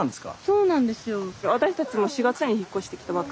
そうなんですよ。